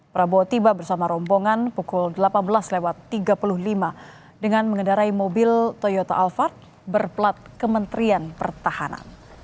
prabowo tiba bersama rombongan pukul delapan belas tiga puluh lima dengan mengendarai mobil toyota alphard berplat kementerian pertahanan